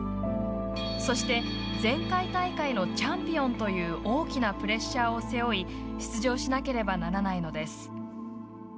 そして前回大会のチャンピオンという大きなプレッシャーを背負い出場しなければならないのです。